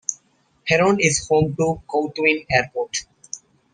Heron is home to Couthuin Airport.